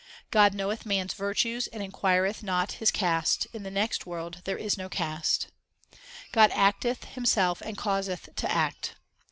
God knoweth man s virtues and inquireth not his caste ; in the next world there is no caste. God acteth Himself and causeth to act.